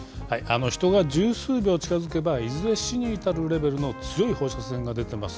人が十数秒近づけばいずれ死に至るレベルの強い放射線が出てます